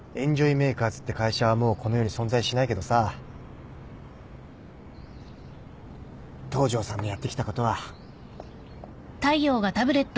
メーカーズって会社はもうこの世に存在しないけどさ東城さんのやってきたことは。